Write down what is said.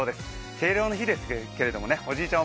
敬老の日ですけれども、おじいちゃん